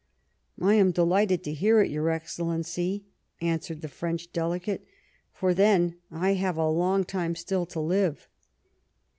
" I am delighted to hear it, your Excellency," answered the French Delegate, " for then I have a long time still to live."